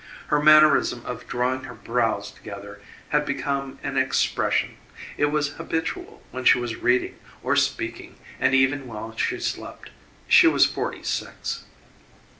Her mannerism of drawing her brows together had become an expression it was habitual when she was reading or speaking and even while she slept. She was forty six.